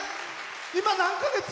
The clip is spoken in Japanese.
今、何か月？